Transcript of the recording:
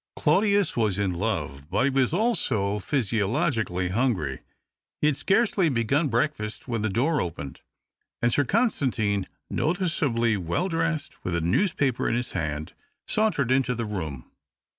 Claudius was in love, but he was also physiologically hungry. He had scarcely begun breakfast when the door opened, and Sir Constantine, noticeably well dressed, with a newspaper in his hand, sauntered into the room.